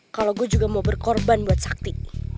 kalau gue juga mau berkorban buat sakti